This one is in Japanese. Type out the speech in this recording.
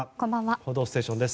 「報道ステーション」です。